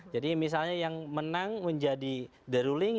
jadi misalnya yang menang menjadi the ruling